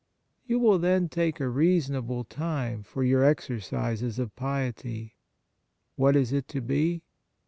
You will, then, take a reasonable time for your exercises of piety. What is it to be